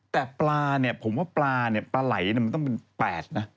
แต่ปลาเนี่ยผมว่าปลาไหลมันต้องเป็น๘นะ